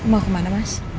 mau kemana mas